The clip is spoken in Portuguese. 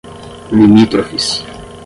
limítrofes